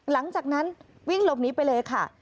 หลังจากนั้นวิ่งหลบนี้ไปเลยค่ะ